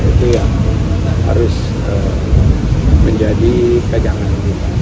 itu yang harus menjadi kejangan pimpinan